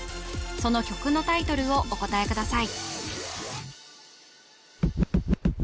その曲のタイトルをお答えください